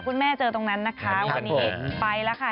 คุณแม่เจอตรงนั้นนะคะวันนี้ไปแล้วค่ะ